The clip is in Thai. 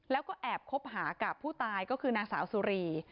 แล้วก็แอบคบหากับผู้ตายก็คือนางสาวสุรี